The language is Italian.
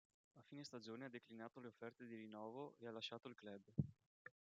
A fine stagione ha declinato le offerte di rinnovo, e ha lasciato il club.